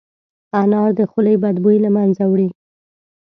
انار د خولې بد بوی له منځه وړي.